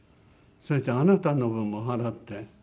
それであなたの分も払って。